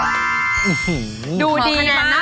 เกลือเท่านั้นแหละครับเกลือเท่านั้นแหละครับ